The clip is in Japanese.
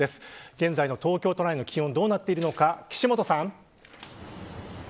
現在の東京都内の気温どうなっているのか岸本さん。